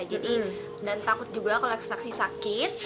jadi dan takut juga kalo aksesaksi sakit